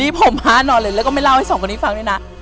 รีบผมม้านอนเลยก็ไปเล่าให้สองคนนี่ฟังดินะ